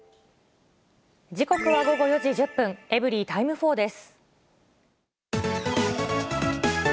時刻は午後４時１０分、エブリィタイム４です。